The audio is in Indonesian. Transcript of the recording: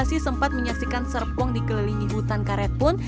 masih sempat menyaksikan serpong dikelilingi hutan karet pun